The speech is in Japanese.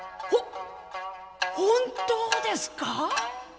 「ほ本当ですか」。